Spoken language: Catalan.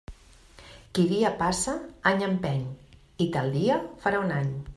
Qui dia passa, any empeny i tal dia farà un any.